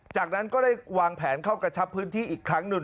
จากนั้นก็ได้วางแผนเข้ากระชับพื้นที่อีกครั้งหนึ่ง